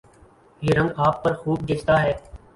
یہ رنگ آپ پر خوب جچتا ہے